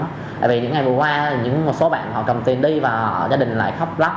tại vì những ngày vừa qua những một số bạn họ cầm tiền đi và gia đình lại khóc lắm